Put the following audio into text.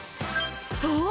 そう！